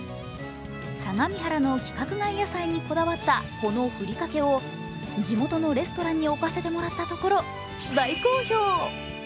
相模原の規格外野菜にこだわったこのふりかけを地元のレストランに置かせてもらったところ、大好評。